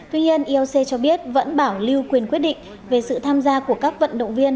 tuy nhiên ioc cho biết vẫn bảo lưu quyền quyết định về sự tham gia của các vận động viên